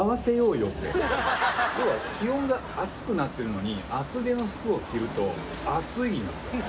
要は気温が暑くなってるのに厚手の服を着ると暑いんですよね。